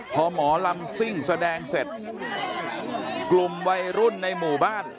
พอหมอลำซิ่งแสดงเสร็จกลุ่มวัยรุ่นในหมู่บ้าน